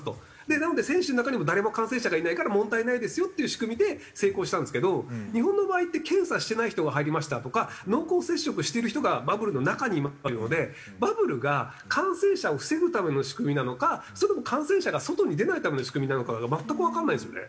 なので選手の中にも誰も感染者がいないから問題ないですよっていう仕組みで成功したんですけど日本の場合って検査してない人が入りましたとか濃厚接触している人がバブルの中にいるのでバブルが感染者を防ぐための仕組みなのかそれとも感染者が外に出ないための仕組みなのかが全くわからないですよね。